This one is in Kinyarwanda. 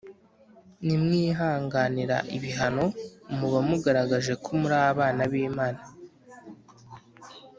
Nimwihanganira ibihano, muba mugaragaje ko muri abana b'Imana.